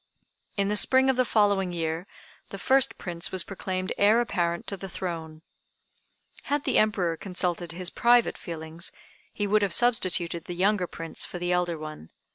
In the spring of the following year the first Prince was proclaimed heir apparent to the throne. Had the Emperor consulted his private feelings, he would have substituted the younger Prince for the elder one.